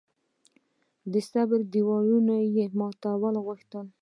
د صبر دېوالونه یې ماتول غوښتل.